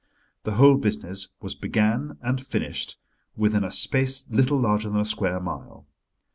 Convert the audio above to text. The whole business was began and finished within a space little larger than a square mile.